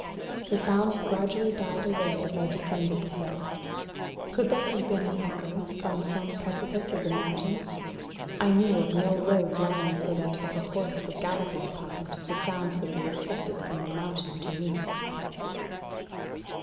The sounds gradually died away as I descended the hill. Could they have been an echo from some precipice of the mountain? I knew of no road lying so that, if a horse were galloping upon it, the sounds would be reflected from the mountain to me.